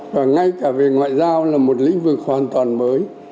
và ngay cả về ngoại giao là một lĩnh vực hoàn toàn mới